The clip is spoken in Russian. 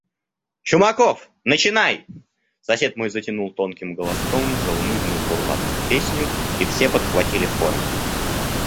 Чумаков! начинай!» – Сосед мой затянул тонким голоском заунывную бурлацкую песню, и все подхватили хором: